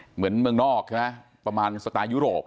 เหมือนเมืองนอกใช่ไหมประมาณสไตล์ยุโรป